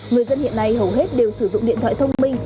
người dân hiện nay hầu hết đều sử dụng điện thoại thông minh